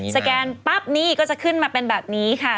แกนปั๊บนี่ก็จะขึ้นมาเป็นแบบนี้ค่ะ